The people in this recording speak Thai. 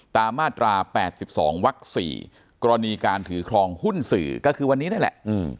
มาตรา๘๒วัก๔กรณีการถือครองหุ้นสื่อก็คือวันนี้นั่นแหละ